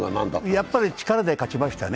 やっぱり力で勝ちましたね。